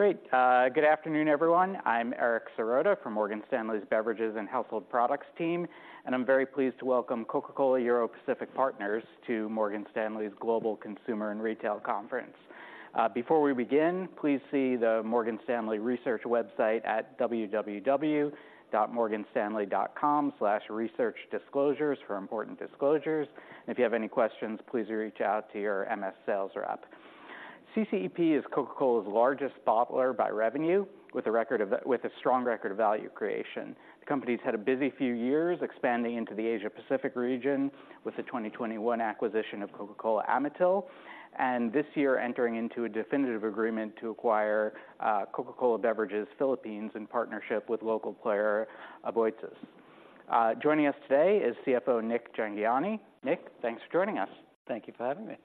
Great. Good afternoon, everyone. I'm Eric Serotta from Morgan Stanley's Beverages and Household Products team, and I'm very pleased to welcome Coca-Cola Europacific Partners to Morgan Stanley's Global Consumer and Retail Conference. Before we begin, please see the Morgan Stanley Research website at www.morganstanley.com/researchdisclosures for important disclosures. And if you have any questions, please reach out to your MS sales rep. CCEP is Coca-Cola's largest bottler by revenue, with a strong record of value creation. The company's had a busy few years expanding into the Asia Pacific region with the 2021 acquisition of Coca-Cola Amatil, and this year entering into a definitive agreement to acquire Coca-Cola Beverages Philippines, in partnership with local player Aboitiz. Joining us today is CFO Nik Jhangiani. Nik, thanks for joining us. Thank you for having me.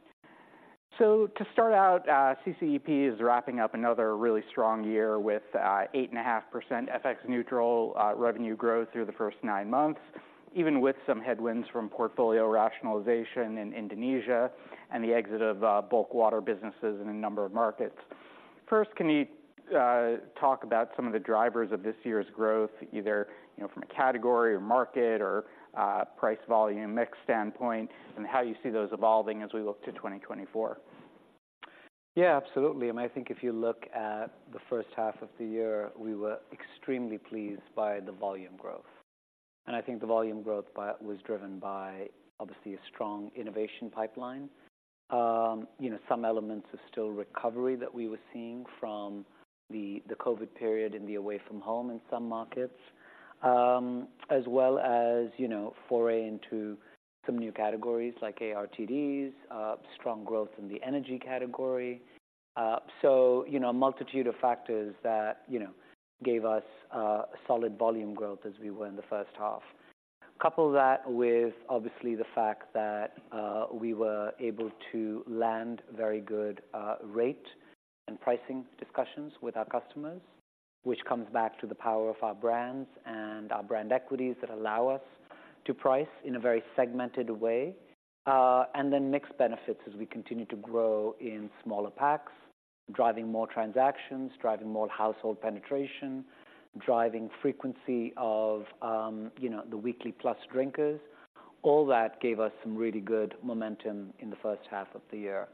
To start out, CCEP is wrapping up another really strong year with 8.5% FX neutral revenue growth through the first 9 months, even with some headwinds from portfolio rationalization in Indonesia and the exit of bulk water businesses in a number of markets. First, can you talk about some of the drivers of this year's growth, either, you know, from a category or market or price volume mix standpoint, and how you see those evolving as we look to 2024? Yeah, absolutely. I mean, I think if you look at the H1 of the year, we were extremely pleased by the volume growth. And I think the volume growth was driven by, obviously, a strong innovation pipeline. You know, some elements of still recovery that we were seeing from the, the COVID period in the away from home in some markets. As well as, you know, foray into some new categories like ARTDs, strong growth in the energy category. So, you know, a multitude of factors that, you know, gave us solid volume growth as we were in the H1. Couple that with, obviously, the fact that, we were able to land very good, rate and pricing discussions with our customers, which comes back to the power of our brands and our brand equities that allow us to price in a very segmented way. And then mixed benefits as we continue to grow in smaller packs, driving more transactions, driving more household penetration, driving frequency of, you know, the weekly plus drinkers. All that gave us some really good momentum in the H1 of the year.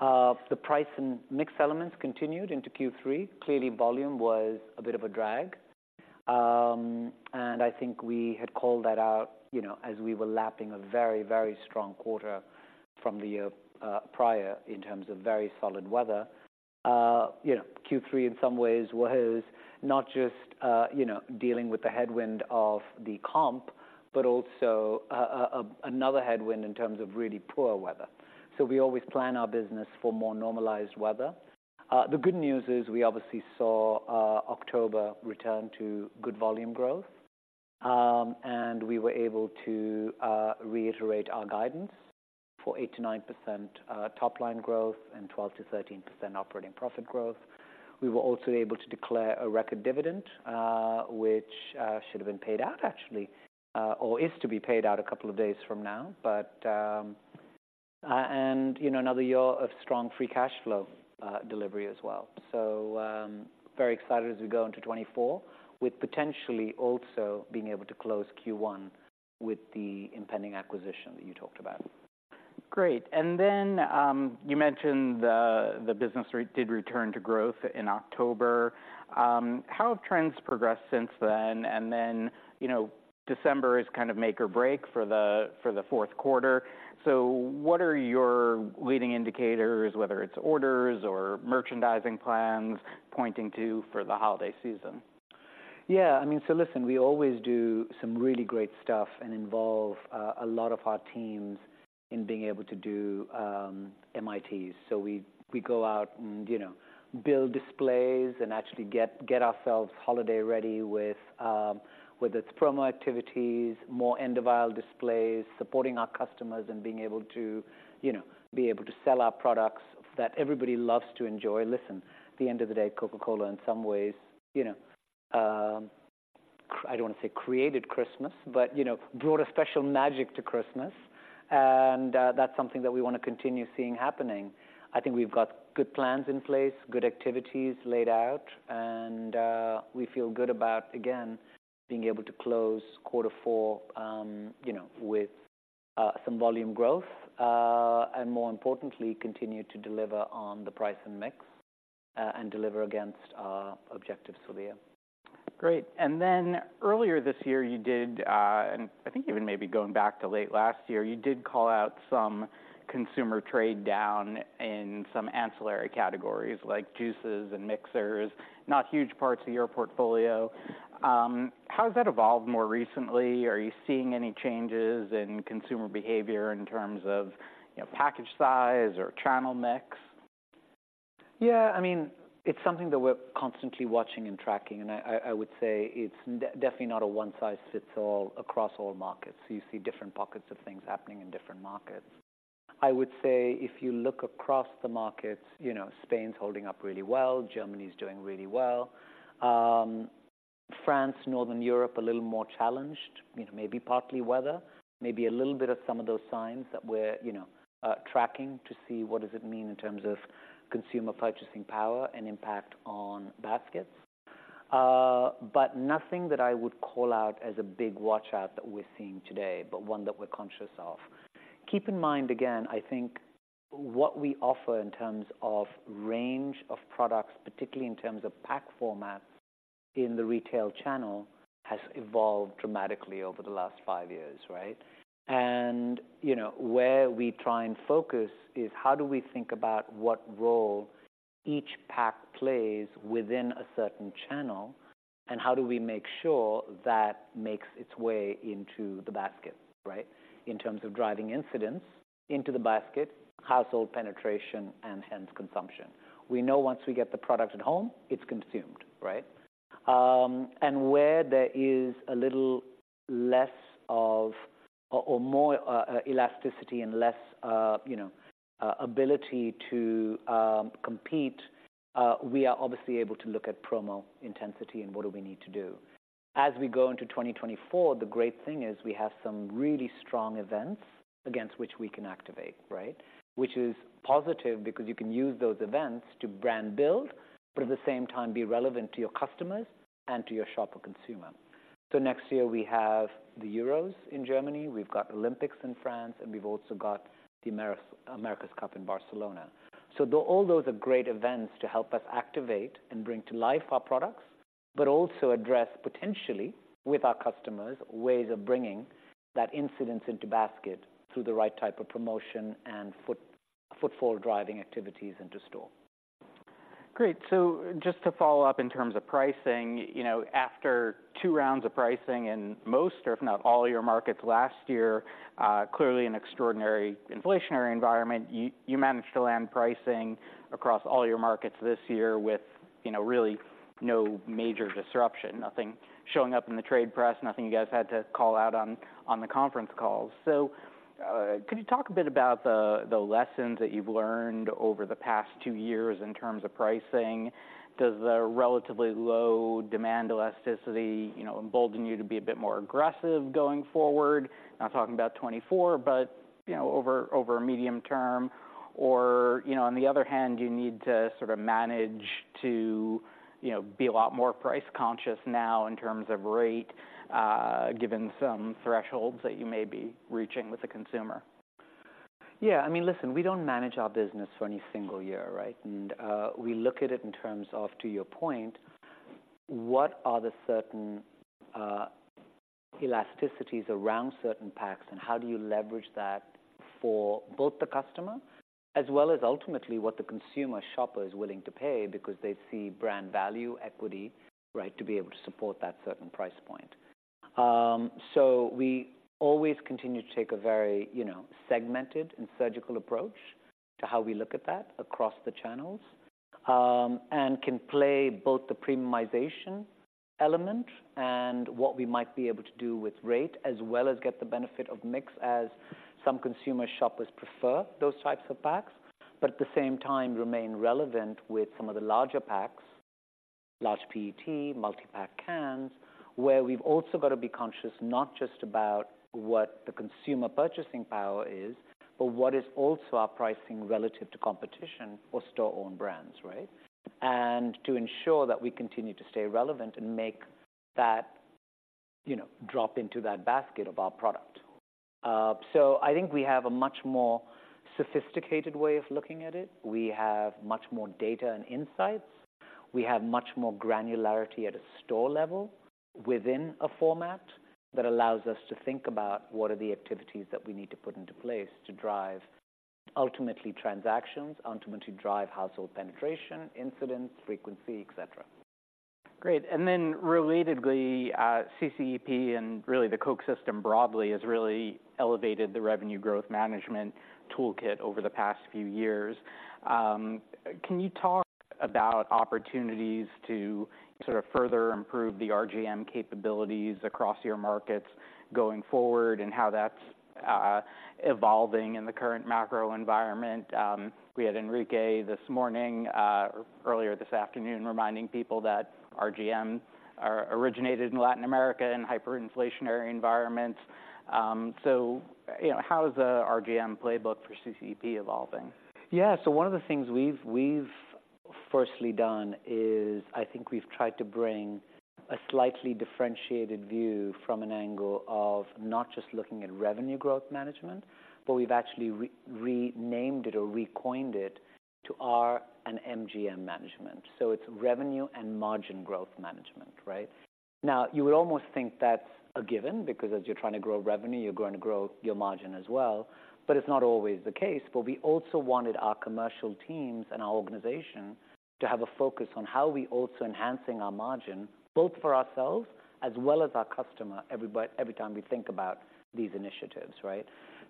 The price and mix elements continued into Q3. Clearly, volume was a bit of a drag. And I think we had called that out, you know, as we were lapping a very, very strong quarter from the year, prior in terms of very solid weather. You know, Q3, in some ways, was not just, you know, dealing with the headwind of the comp, but also, another headwind in terms of really poor weather. So we always plan our business for more normalized weather. The good news is, we obviously saw, October return to good volume growth, and we were able to, reiterate our guidance for 8%-9%, top line growth and 12%-13% operating profit growth. We were also able to declare a record dividend, which, should have been paid out actually, or is to be paid out a couple of days from now. But, and, you know, another year of strong free cash flow, delivery as well. Very excited as we go into 2024, with potentially also being able to close Q1 with the impending acquisition that you talked about. Great. And then, you mentioned the business returned to growth in October. How have trends progressed since then? And then, you know, December is kind of make or break for the Q4. So what are your leading indicators, whether it's orders or merchandising plans, pointing to for the holiday season? Yeah, I mean, so listen, we always do some really great stuff and involve a lot of our teams in being able to do MITs. So we go out and, you know, build displays and actually get ourselves holiday ready with whether it's promo activities, more end-of-aisle displays, supporting our customers and being able to, you know, be able to sell our products that everybody loves to enjoy. Listen, at the end of the day, Coca-Cola, in some ways, you know, I don't want to say created Christmas, but, you know, brought a special magic to Christmas, and that's something that we want to continue seeing happening. I think we've got good plans in place, good activities laid out, and we feel good about, again, being able to close Q4, you know, with some volume growth, and more importantly, continue to deliver on the price and mix, and deliver against our objectives for the year. Great. Then earlier this year, you did, and I think even maybe going back to late last year, you did call out some consumer trade down in some ancillary categories, like juices and mixers, not huge parts of your portfolio. How has that evolved more recently? Are you seeing any changes in consumer behavior in terms of, you know, package size or channel mix? Yeah, I mean, it's something that we're constantly watching and tracking, and I would say it's definitely not a one-size-fits-all across all markets. You see different pockets of things happening in different markets. I would say if you look across the markets, you know, Spain's holding up really well. Germany's doing really well. France, Northern Europe, a little more challenged. You know, maybe partly weather, maybe a little bit of some of those signs that we're, you know, tracking to see what does it mean in terms of consumer purchasing power and impact on baskets. But nothing that I would call out as a big watch-out that we're seeing today, but one that we're conscious of. Keep in mind, again, I think what we offer in terms of range of products, particularly in terms of pack format in the retail channel, has evolved dramatically over the last 5 years, right? And, you know, where we try and focus is: how do we think about what role each pack plays within a certain channel, and how do we make sure that makes its way into the basket, right? In terms of driving incidence into the basket, household penetration, and hence consumption. We know once we get the product at home, it's consumed, right? And where there is a little less of... or, or more, elasticity and less, you know, ability to, compete, we are obviously able to look at promo intensity and what do we need to do. As we go into 2024, the great thing is we have some really strong events against which we can activate, right? Which is positive because you can use those events to brand build, but at the same time, be relevant to your customers and to your shopper consumer. So next year we have the Euros in Germany, we've got Olympics in France, and we've also got the America's Cup in Barcelona. So all those are great events to help us activate and bring to life our products, but also address, potentially, with our customers, ways of bringing that incidence into basket through the right type of promotion and footfall driving activities into store. Great. Just to follow up in terms of pricing, you know, after 2 rounds of pricing in most, if not all, of your markets last year, clearly an extraordinary inflationary environment, you managed to land pricing across all your markets this year with, you know, really no major disruption. Nothing showing up in the trade press, nothing you guys had to call out on, on the conference calls. So, could you talk a bit about the lessons that you've learned over the past 2 years in terms of pricing? Does the relatively low demand elasticity, you know, embolden you to be a bit more aggressive going forward? Not talking about 2024, but, you know, over a medium term. Or, you know, on the other hand, you need to sort of manage to, you know, be a lot more price conscious now in terms of rate, given some thresholds that you may be reaching with the consumer. Yeah, I mean, listen, we don't manage our business for any single year, right? And, we look at it in terms of, to your point, what are the certain elasticities around certain packs, and how do you leverage that for both the customer as well as ultimately what the consumer shopper is willing to pay because they see brand value equity, right, to be able to support that certain price point. So we always continue to take a very, you know, segmented and surgical approach to how we look at that across the channels. Can play both the premiumization element and what we might be able to do with rate, as well as get the benefit of mix, as some consumer shoppers prefer those types of packs, but at the same time, remain relevant with some of the larger packs, large PET, multi-pack cans, where we've also got to be conscious, not just about what the consumer purchasing power is, but what is also our pricing relative to competition or store-owned brands, right? And to ensure that we continue to stay relevant and make that, you know, drop into that basket of our product. So I think we have a much more sophisticated way of looking at it. We have much more data and insights. We have much more granularity at a store level within a format that allows us to think about what are the activities that we need to put into place to drive, ultimately, transactions, ultimately drive household penetration, incidence, frequency, et cetera. Great. And then relatedly, CCEP and really, the Coke system broadly, has really elevated the revenue growth management toolkit over the past few years. Can you talk about opportunities to sort of further improve the RGM capabilities across your markets going forward, and how that's evolving in the current macro environment? We had Enrique this morning, or earlier this afternoon, reminding people that RGM originated in Latin America in hyperinflationary environments. So, you know, how is the RGM playbook for CCEP evolving? Yeah. One of the things we've firstly done is I think we've tried to bring a slightly differentiated view from an angle of not just looking at revenue growth management, but we've actually renamed it or recoined it to R and MGM management. So it's revenue and margin growth management, right? Now, you would almost think that's a given, because as you're trying to grow revenue, you're going to grow your margin as well, but it's not always the case. But we also wanted our commercial teams and our organization to have a focus on how we're also enhancing our margin, both for ourselves as well as our customer, every time we think about these initiatives, right?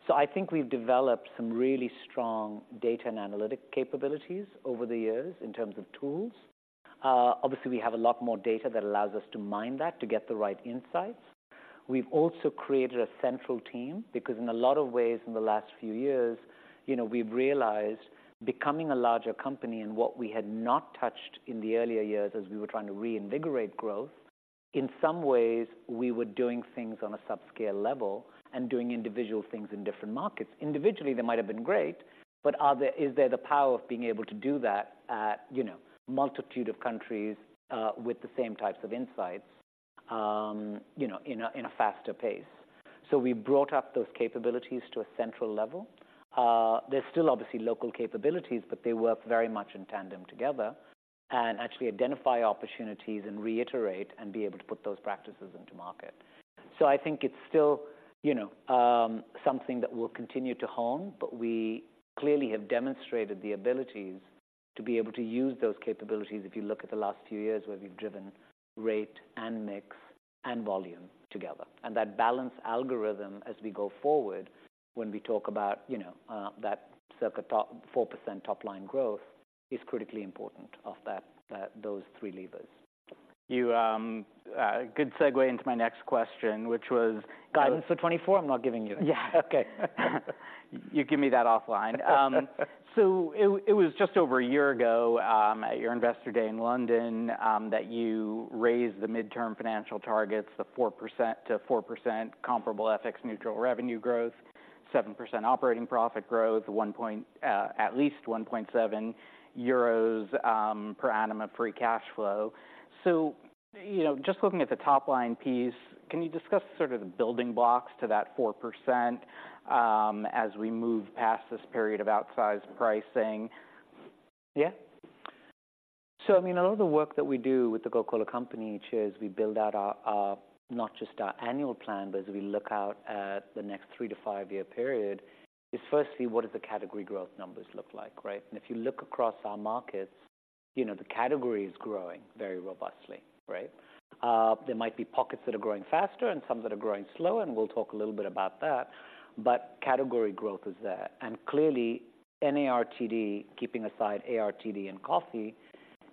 So I think we've developed some really strong data and analytic capabilities over the years in terms of tools. Obviously, we have a lot more data that allows us to mine that, to get the right insights. We've also created a central team, because in a lot of ways, in the last few years, you know, we've realized becoming a larger company and what we had not touched in the earlier years as we were trying to reinvigorate growth, in some ways, we were doing things on a subscale level and doing individual things in different markets. Individually, they might have been great, but is there the power of being able to do that at, you know, multitude of countries, with the same types of insights, you know, in a faster pace? So we brought up those capabilities to a central level. There's still obviously local capabilities, but they work very much in tandem together, and actually identify opportunities and reiterate and be able to put those practices into market. So I think it's still, you know, something that we'll continue to hone, but we clearly have demonstrated the abilities to be able to use those capabilities, if you look at the last few years, where we've driven rate and mix and volume together. And that balance algorithm, as we go forward, when we talk about, you know, that circa top 4% top line growth, is critically important of that, those 3 levers. Good segue into my next question, which was- Guidance for 2024, I'm not giving you. Yeah. Okay. You give me that offline. It was just over a year ago, at your Investor Day in London, that you raised the midterm financial targets to 4%, to 4% comparable FX neutral revenue growth, 7% operating profit growth, at least 1.7 euros per annum of free cash flow. So, you know, just looking at the top line piece, can you discuss sort of the building blocks to that 4%, as we move past this period of outsized pricing? Yeah. I mean, a lot of the work that we do with the Coca-Cola Company each year, is we build out our, not just our annual plan, but as we look out at the next 3-5-year period, is firstly, what is the category growth numbers look like, right? And if you look across our markets, you know, the category is growing very robustly, right? There might be pockets that are growing faster and some that are growing slower, and we'll talk a little bit about that, but category growth is there. And clearly, NARTD, keeping aside ARTD and coffee,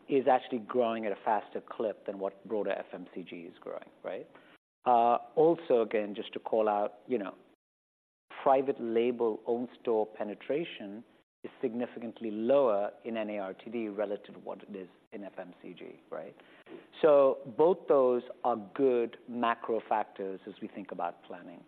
is actually growing at a faster clip than what broader FMCG is growing, right? Also, again, just to call out, you know, private label, own store penetration is significantly lower in NARTD relative to what it is in FMCG, right? Both those are good macro factors as we think about planning.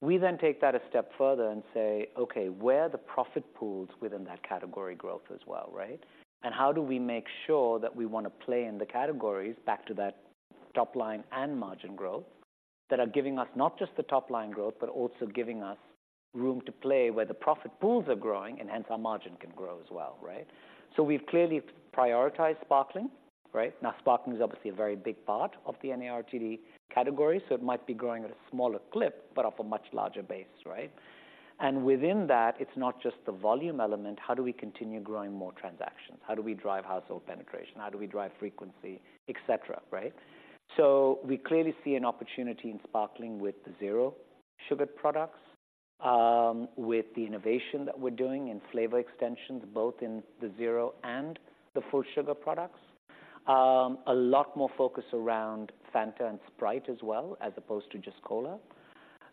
We then take that a step further and say, "Okay, where are the profit pools within that category growth as well, right? And how do we make sure that we want to play in the categories back to that top line and margin growth, that are giving us not just the top line growth, but also giving us room to play where the profit pools are growing, and hence our margin can grow as well, right?" So we've clearly prioritized sparkling, right? Now, sparkling is obviously a very big part of the NARTD category, so it might be growing at a smaller clip, but off a much larger base, right? And within that, it's not just the volume element. How do we continue growing more transactions? How do we drive household penetration? How do we drive frequency, et cetera, right? We clearly see an opportunity in sparkling with the Zero Sugar products, with the innovation that we're doing in flavor extensions, both in the Zero and the full sugar products. A lot more focus around Fanta and Sprite as well, as opposed to just Cola.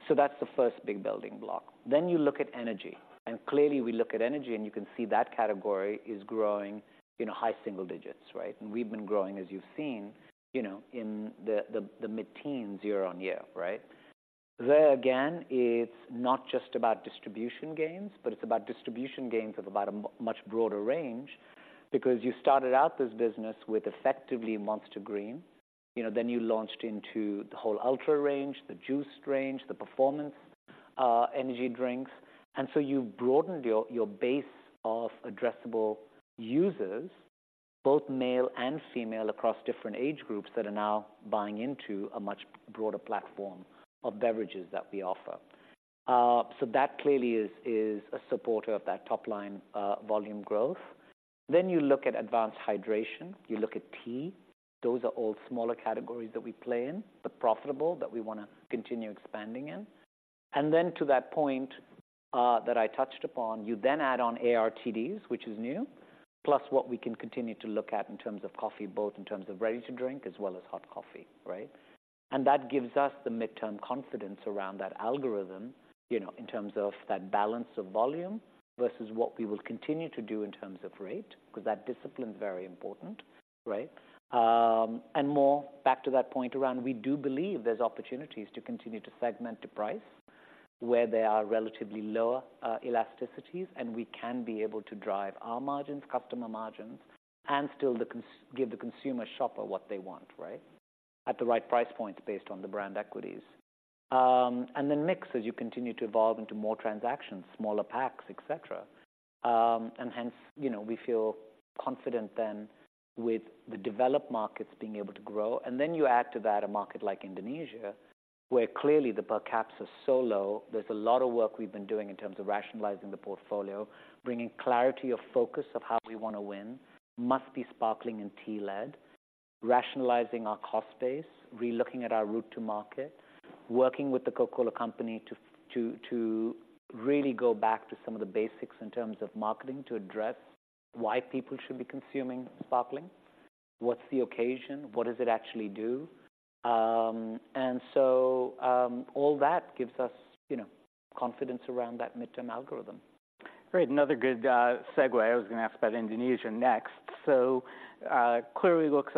So that's the first big building block. Then you look at energy, and clearly, we look at energy, and you can see that category is growing in high single digits, right? And we've been growing, as you've seen, you know, in the mid-teens year-on-year, right? There again, it's not just about distribution gains, but it's about distribution gains of about a much broader range, because you started out this business with effectively Monster Green. You know, then you launched into the whole Ultra range, the Juice range, the Performance energy drinks. And so you've broadened your base of addressable users, both male and female, across different age groups, that are now buying into a much broader platform of beverages that we offer. So that clearly is a supporter of that top line volume growth. Then you look at advanced hydration, you look at tea. Those are all smaller categories that we play in, but profitable, that we wanna continue expanding in. And then to that point that I touched upon, you then add on ARTDs, which is new, plus what we can continue to look at in terms of coffee, both in terms of ready to drink as well as hot coffee, right? That gives us the midterm confidence around that algorithm, you know, in terms of that balance of volume versus what we will continue to do in terms of rate, because that discipline is very important, right? And more back to that point around, we do believe there's opportunities to continue to segment the price, where there are relatively lower elasticities, and we can be able to drive our margins, customer margins, and still give the consumer shopper what they want, right? At the right price points based on the brand equities. And then mix, as you continue to evolve into more transactions, smaller packs, et cetera. And hence, you know, we feel confident then with the developed markets being able to grow. Then you add to that a market like Indonesia, where clearly the per caps are so low. There's a lot of work we've been doing in terms of rationalizing the portfolio, bringing clarity of focus of how we want to win, must be sparkling and tea led, rationalizing our cost base, relooking at our route to market, working with the Coca-Cola Company to really go back to some of the basics in terms of marketing, to address why people should be consuming sparkling. What's the occasion? What does it actually do? And so, all that gives us, you know, confidence around that midterm algorithm. Great, another good segue. I was gonna ask about Indonesia next. So, clearly looks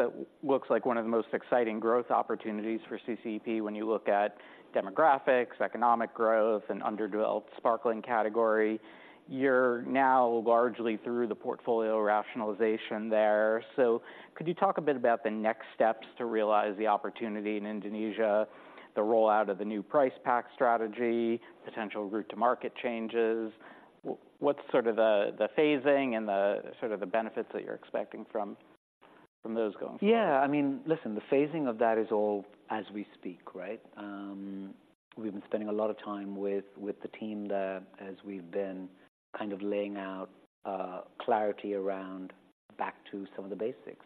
like one of the most exciting growth opportunities for CCEP when you look at demographics, economic growth, and under-developed sparkling category. You're now largely through the portfolio rationalization there. So could you talk a bit about the next steps to realize the opportunity in Indonesia, the rollout of the new price pack strategy, potential route to market changes? What's sort of the phasing and sort of the benefits that you're expecting from those going forward? Yeah, I mean, listen, the phasing of that is all as we speak, right? We've been spending a lot of time with the team there as we've been kind of laying out clarity around back to some of the basics.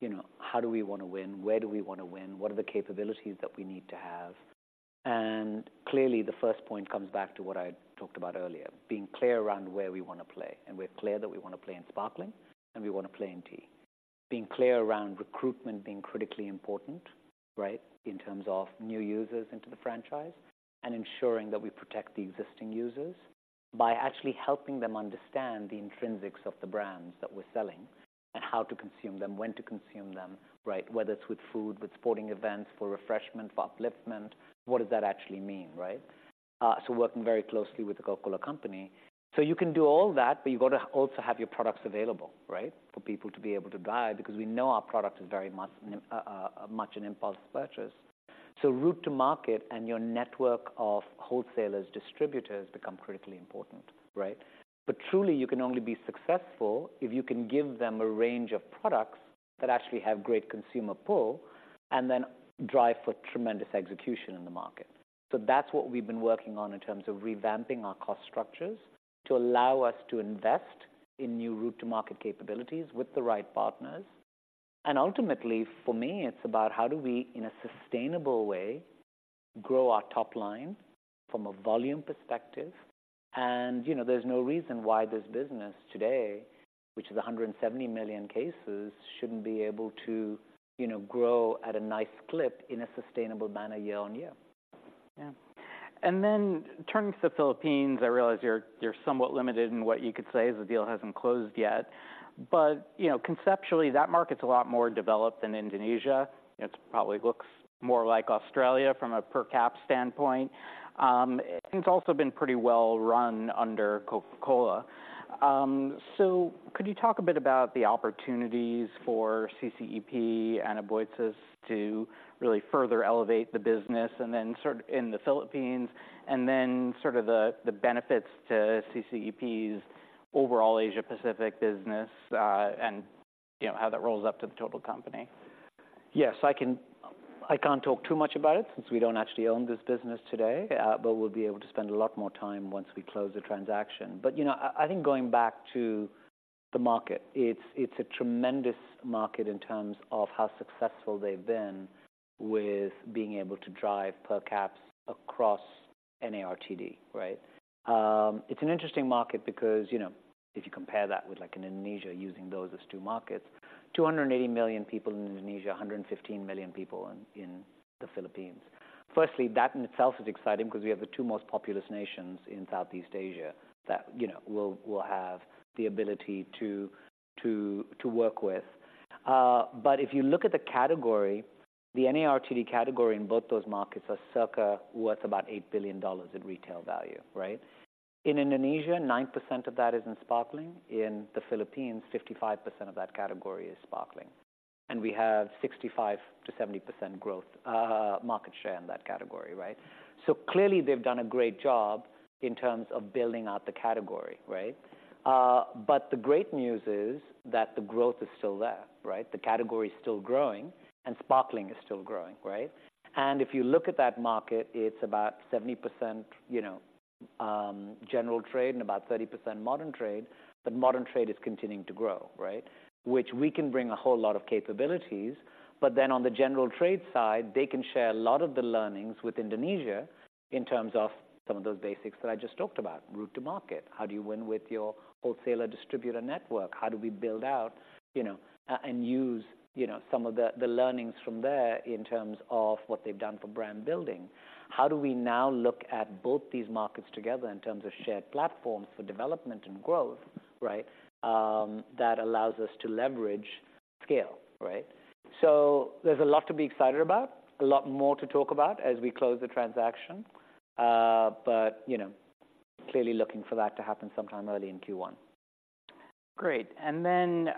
You know, how do we wanna win? Where do we wanna win? What are the capabilities that we need to have? And clearly, the first point comes back to what I talked about earlier, being clear around where we wanna play. And we're clear that we wanna play in sparkling, and we wanna play in tea. Being clear around recruitment being critically important, right, in terms of new users into the franchise, and ensuring that we protect the existing users by actually helping them understand the intrinsics of the brands that we're selling and how to consume them, when to consume them, right? Whether it's with food, with sporting events, for refreshment, for upliftment, what does that actually mean, right? So working very closely with the Coca-Cola Company. So you can do all that, but you've got to also have your products available, right? For people to be able to buy, because we know our product is very much, much an impulse purchase. So route to market and your network of wholesalers, distributors, become critically important, right? But truly, you can only be successful if you can give them a range of products that actually have great consumer pull, and then drive for tremendous execution in the market. So that's what we've been working on in terms of revamping our cost structures to allow us to invest in new route to market capabilities with the right partners. Ultimately, for me, it's about how do we, in a sustainable way, grow our top line from a volume perspective? And, you know, there's no reason why this business today, which is 170 million cases, shouldn't be able to, you know, grow at a nice clip in a sustainable manner year on year. Yeah. Then turning to the Philippines, I realize you're somewhat limited in what you could say, as the deal hasn't closed yet. But, you know, conceptually, that market's a lot more developed than Indonesia. It probably looks more like Australia from a per cap standpoint. It's also been pretty well run under Coca-Cola. So could you talk a bit about the opportunities for CCEP and Aboitiz to really further elevate the business, and then in the Philippines, and then sort of the benefits to CCEP's overall Asia Pacific business, and, you know, how that rolls up to the total company? Yes, I can't talk too much about it since we don't actually own this business today, but we'll be able to spend a lot more time once we close the transaction. But, you know, I think going back to the market, it's a tremendous market in terms of how successful they've been with being able to drive per caps across NARTD, right? It's an interesting market because, you know, if you compare that with, like, Indonesia, using those as 2 markets, 280 million people in Indonesia, 115 million people in the Philippines. Firstly, that in itself is exciting because we have the 2 most populous nations in Southeast Asia that, you know, we'll have the ability to work with. If you look at the category, the NARTD category in both those markets are circa worth about $8 billion in retail value, right? In Indonesia, 9% of that is in sparkling. In the Philippines, 55% of that category is sparkling, and we have 65%-70% growth market share in that category, right? So clearly, they've done a great job in terms of building out the category, right? But the great news is that the growth is still there, right? The category is still growing, and sparkling is still growing, right? And if you look at that market, it's about 70%, you know, general trade and about 30% modern trade, but modern trade is continuing to grow, right? Which we can bring a whole lot of capabilities, but then on the general trade side, they can share a lot of the learnings with Indonesia in terms of some of those basics that I just talked about. Route to market. How do you win with your wholesaler distributor network? How do we build out, you know, and use, you know, some of the learnings from there in terms of what they've done for brand building? How do we now look at both these markets together in terms of shared platforms for development and growth, right, that allows us to leverage scale, right? So there's a lot to be excited about, a lot more to talk about as we close the transaction. But, you know, clearly looking for that to happen sometime early in Q1. Great. Then,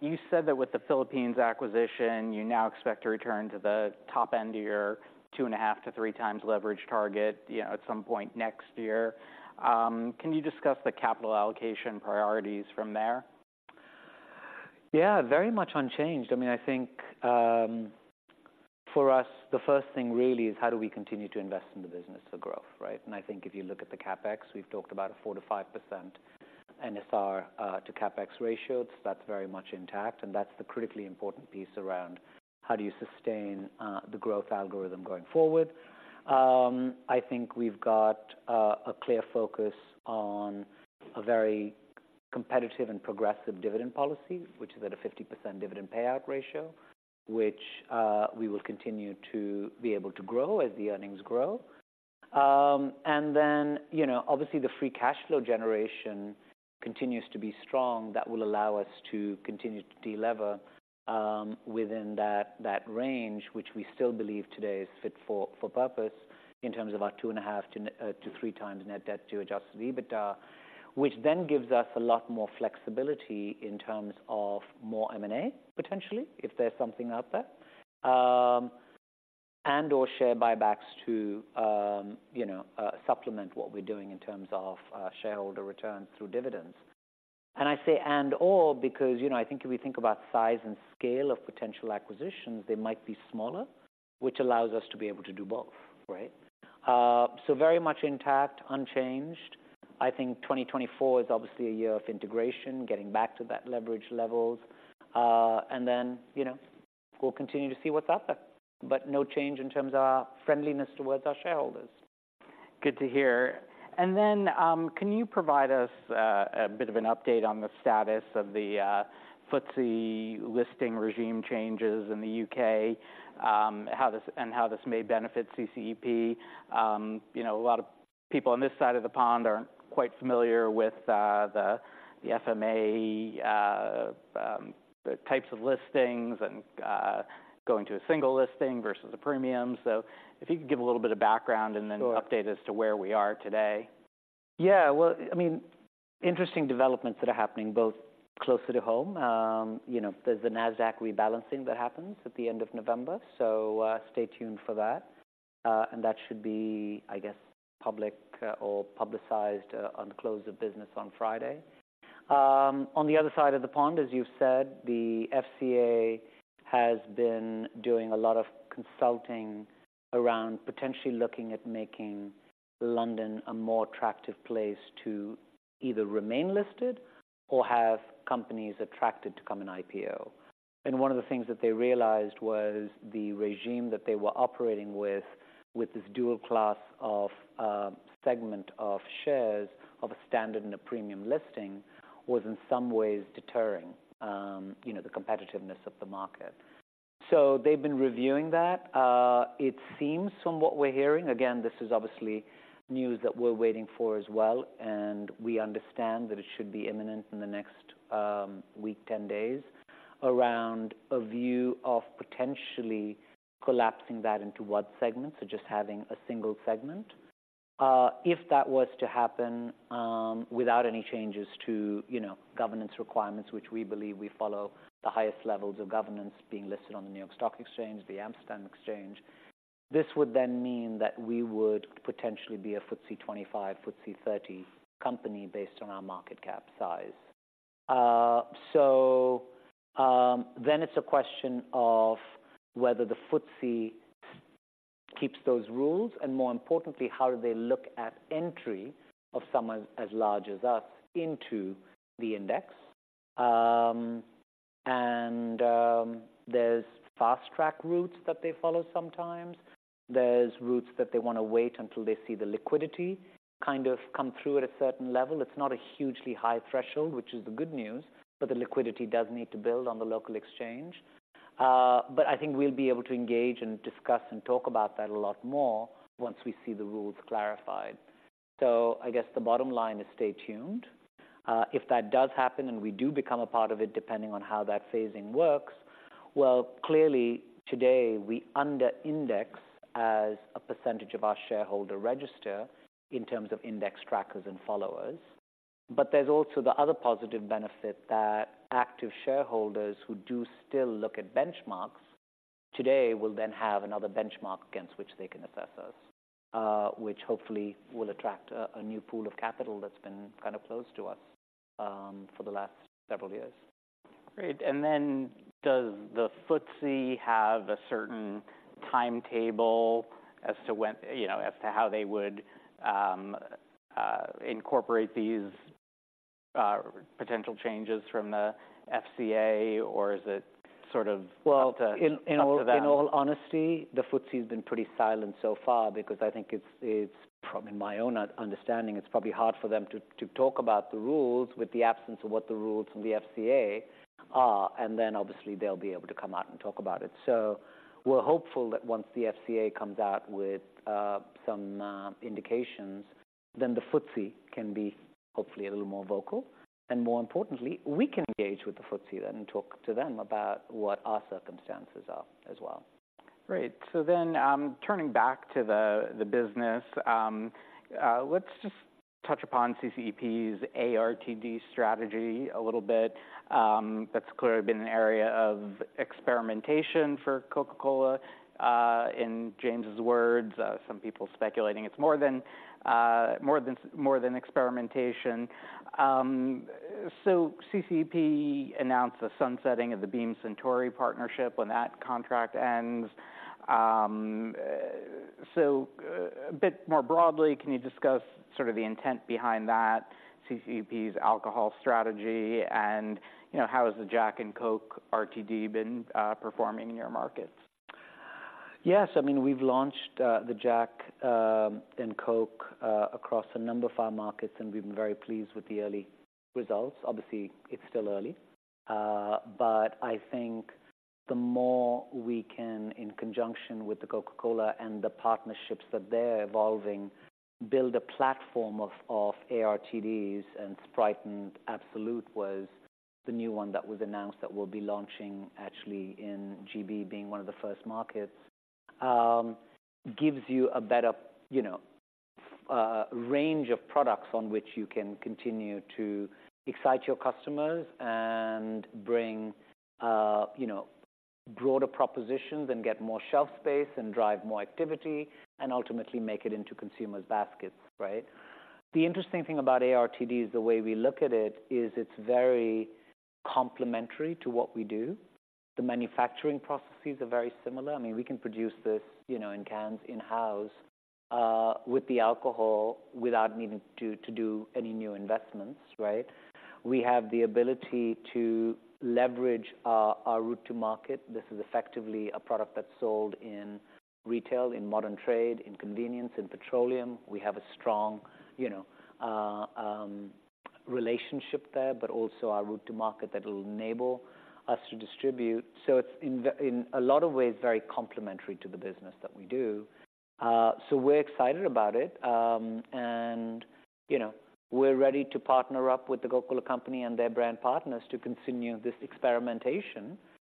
you said that with the Philippines acquisition, you now expect to return to the top end of your 2.5-3 times leverage target, you know, at some point next year. Can you discuss the capital allocation priorities from there? Yeah, very much unchanged. I mean, I think, for us, the first thing really is how do we continue to invest in the business for growth, right? And I think if you look at the CapEx, we've talked about a 4%-5% NSR to CapEx ratio. So that's very much intact, and that's the critically important piece around how do you sustain the growth algorithm going forward? I think we've got a clear focus on a very competitive and progressive dividend policy, which is at a 50% dividend payout ratio, which we will continue to be able to grow as the earnings grow. And then, you know, obviously, the free cash flow generation continues to be strong. That will allow us to continue to delever, within that range, which we still believe today is fit for purpose in terms of our 2.5-3 times net debt to adjusted EBITDA, which then gives us a lot more flexibility in terms of more M&A, potentially, if there's something out there. And/or share buybacks to, you know, supplement what we're doing in terms of shareholder returns through dividends. I say and/or, because, you know, I think if we think about size and scale of potential acquisitions, they might be smaller, which allows us to be able to do both, right? So very much intact, unchanged. I think 2024 is obviously a year of integration, getting back to that leverage levels, and then, you know, we'll continue to see what's out there, but no change in terms of our friendliness towards our shareholders. Good to hear. Then, can you provide us a bit of an update on the status of the FTSE listing regime changes in the U.K., how this and how this may benefit CCEP? You know, a lot of people on this side of the pond aren't quite familiar with the FCA, the types of listings and going to a single listing versus a premium. So if you could give a little bit of background- Sure. And then an update as to where we are today. Yeah, well, I mean, interesting developments that are happening both closer to home. You know, there's the Nasdaq rebalancing that happens at the end of November, so, stay tuned for that. And that should be, I guess, public, or publicized, on the close of business on Friday. On the other side of the pond, as you've said, the FCA has been doing a lot of consulting around potentially looking at making London a more attractive place to either remain listed or have companies attracted to come and IPO. And one of the things that they realized was the regime that they were operating with, with this dual class of, segment of shares of a standard and a premium listing, was in some ways deterring, you know, the competitiveness of the market. So they've been reviewing that. It seems, from what we're hearing... Again, this is obviously news that we're waiting for as well, and we understand that it should be imminent in the next week, 10 days, around a view of potentially collapsing that into 1 segment, so just having a single segment. If that was to happen, without any changes to, you know, governance requirements, which we believe we follow the highest levels of governance being listed on the New York Stock Exchange, the Amsterdam Exchange, this would then mean that we would potentially be a FTSE 25, FTSE 30 company based on our market cap size. Then it's a question of whether the FTSE keeps those rules, and more importantly, how do they look at entry of someone as large as us into the index? There's fast track routes that they follow sometimes. There's routes that they wanna wait until they see the liquidity kind of come through at a certain level. It's not a hugely high threshold, which is the good news, but the liquidity does need to build on the local exchange. But I think we'll be able to engage and discuss and talk about that a lot more once we see the rules clarified. So I guess the bottom line is, stay tuned. If that does happen, and we do become a part of it, depending on how that phasing works, well, clearly, today, we underindex as a percentage of our shareholder register in terms of index trackers and followers. But there's also the other positive benefit that active shareholders who do still look at benchmarks today will then have another benchmark against which they can assess us, which hopefully will attract a new pool of capital that's been kind of closed to us, for the last several years. Great. Then, does the FTSE have a certain timetable as to when... You know, as to how they would incorporate these potential changes from the FCA, or is it sort of up to, up to them? Well, in all honesty, the FTSE has been pretty silent so far because I think it's from my own understanding, it's probably hard for them to talk about the rules with the absence of what the rules from the FCA are, and then obviously they'll be able to come out and talk about it. So we're hopeful that once the FCA comes out with some indications, then the FTSE can be hopefully a little more vocal. And more importantly, we can engage with the FTSE then and talk to them about what our circumstances are as well. Great. Then, turning back to the business, let's just touch upon CCEP's ARTD strategy a little bit. That's clearly been an area of experimentation for Coca-Cola. In James's words, some people speculating it's more than experimentation. So CCEP announced the sunsetting of the Beam Suntory partnership when that contract ends. So, a bit more broadly, can you discuss sort of the intent behind that, CCEP's alcohol strategy, and, you know, how has the Jack and Coke RTD been performing in your markets? Yes, I mean, we've launched the Jack and Coke across a number of our markets, and we've been very pleased with the early results. Obviously, it's still early, but I think the more we can, in conjunction with The Coca-Cola and the partnerships that they're evolving, build a platform of ARTDs and Sprite and Absolut was the new one that was announced that we'll be launching actually in GB, being one of the first markets. Gives you a better, you know, range of products on which you can continue to excite your customers and bring, you know, broader propositions and get more shelf space, and drive more activity, and ultimately make it into consumers' baskets, right? The interesting thing about ARTD is the way we look at it, is it's very complementary to what we do. The manufacturing processes are very similar. I mean, we can produce this, you know, in cans in-house, with the alcohol, without needing to do any new investments, right? We have the ability to leverage our route to market. This is effectively a product that's sold in retail, in modern trade, in convenience, in petroleum. We have a strong, you know, relationship there, but also our route to market that will enable us to distribute. So it's in a lot of ways, very complementary to the business that we do. So we're excited about it. And, you know, we're ready to partner up with The Coca-Cola Company and their brand partners to continue this experimentation,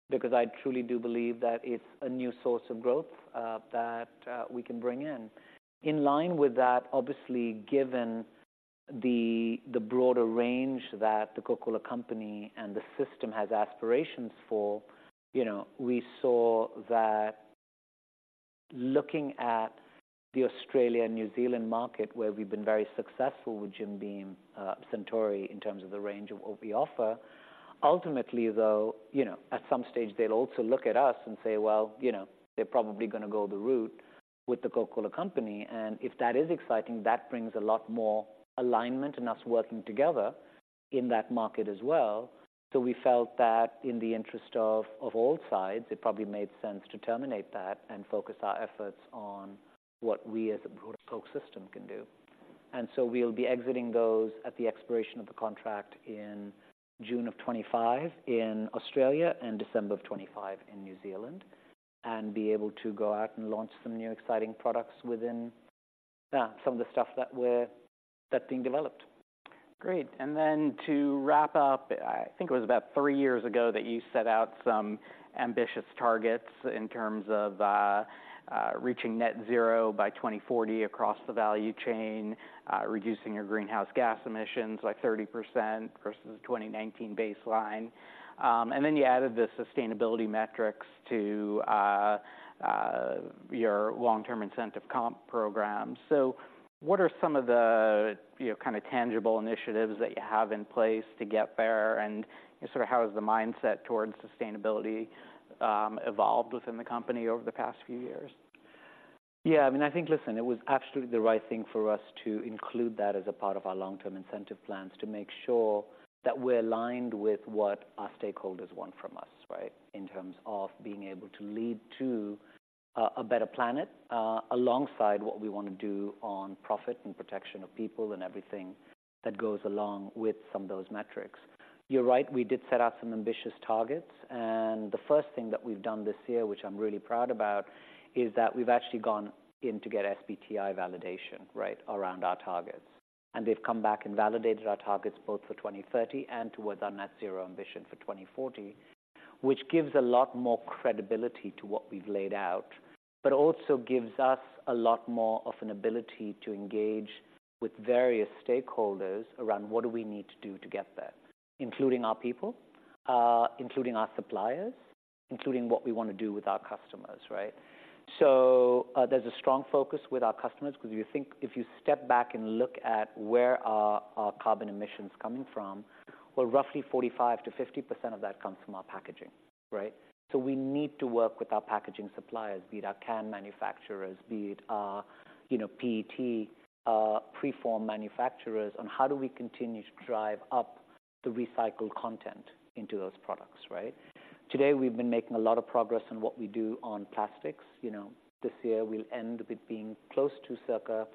because I truly do believe that it's a new source of growth that we can bring in. In line with that, obviously, given the broader range that The Coca-Cola Company and the system has aspirations for, you know, we saw that looking at the Australia and New Zealand market, where we've been very successful with Jim Beam, Suntory, in terms of the range of what we offer. Ultimately, though, you know, at some stage they'll also look at us and say, "Well, you know, they're probably gonna go the route with The Coca-Cola Company." And if that is exciting, that brings a lot more alignment and us working together in that market as well. So we felt that in the interest of all sides, it probably made sense to terminate that and focus our efforts on what we, as a broader Coke system, can do. We'll be exiting those at the expiration of the contract in June of 2025 in Australia and December of 2025 in New Zealand, and be able to go out and launch some new exciting products within some of the stuff that's being developed. Great! Then to wrap up, I think it was about 3 years ago that you set out some ambitious targets in terms of reaching Net Zero by 2040 across the value chain, reducing your greenhouse gas emissions by 30% versus the 2019 baseline. And then you added the sustainability metrics to your long-term incentive comp program. So what are some of the, you know, kind of tangible initiatives that you have in place to get there? And sort of how has the mindset towards sustainability evolved within the company over the past few years? Yeah, I mean, I think, listen, it was absolutely the right thing for us to include that as a part of our long-term incentive plans, to make sure that we're aligned with what our stakeholders want from us, right? In terms of being able to lead to a better planet, alongside what we want to do on profit and protection of people, and everything that goes along with some of those metrics. You're right, we did set out some ambitious targets, and the first thing that we've done this year, which I'm really proud about, is that we've actually gone in to get SBTi validation, right, around our targets. They've come back and validated our targets, both for 2030 and towards our Net Zero ambition for 2040, which gives a lot more credibility to what we've laid out, but also gives us a lot more of an ability to engage with various stakeholders around what do we need to do to get there, including our people, including our suppliers, including what we want to do with our customers, right? So, there's a strong focus with our customers, because if you think, if you step back and look at where are our carbon emissions coming from, well, roughly 45%-50% of that comes from our packaging, right? We need to work with our packaging suppliers, be it our can manufacturers, be it our, you know, PET preform manufacturers, on how do we continue to drive up the recycled content into those products, right? Today, we've been making a lot of progress on what we do on plastics. You know, this year we'll end with being close to circa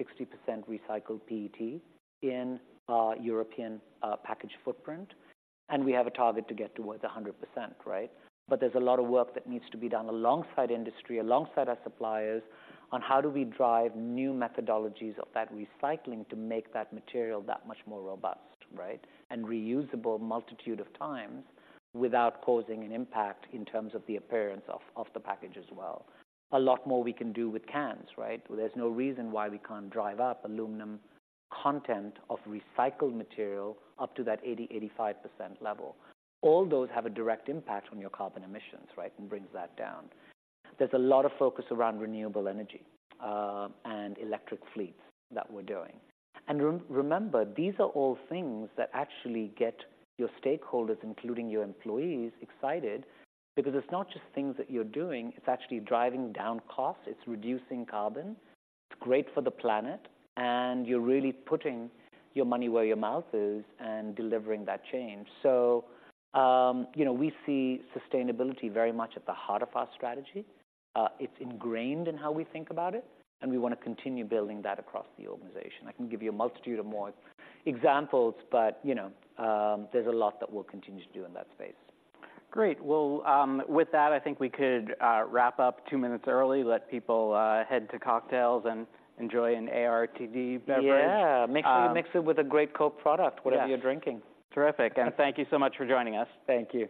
60% recycled PET in our European package footprint, and we have a target to get towards 100%, right? But there's a lot of work that needs to be done alongside industry, alongside our suppliers, on how do we drive new methodologies of that recycling to make that material that much more robust, right, and reusable a multitude of times without causing an impact in terms of the appearance of the package as well. A lot more we can do with cans, right? There's no reason why we can't drive up aluminum content of recycled material up to that 80%-85% level. All those have a direct impact on your carbon emissions, right, and brings that down. There's a lot of focus around renewable energy and electric fleets that we're doing. And remember, these are all things that actually get your stakeholders, including your employees, excited, because it's not just things that you're doing, it's actually driving down costs, it's reducing carbon. It's great for the planet, and you're really putting your money where your mouth is and delivering that change. So, you know, we see sustainability very much at the heart of our strategy. It's ingrained in how we think about it, and we wanna continue building that across the organization. I can give you a multitude of more examples, but, you know, there's a lot that we'll continue to do in that space. Great! Well, with that, I think we could wrap up 2 minutes early, let people head to cocktails and enjoy an ARTD beverage. Yeah. Make sure you mix it with a great Coke product- Yes. whatever you're drinking. Terrific, and thank you so much for joining us. Thank you.